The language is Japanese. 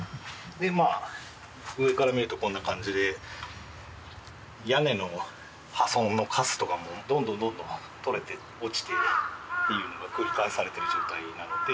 まあ上から見るとこんな感じで屋根の破損のカスとかもどんどんどんどん取れて落ちてっていうのが繰り返されてる状態なので。